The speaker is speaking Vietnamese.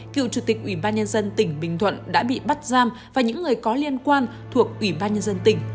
cựu chủ tịch ủy ban nhân dân tỉnh bình thuận đã bị bắt giam và những người có liên quan thuộc ủy ban nhân dân tỉnh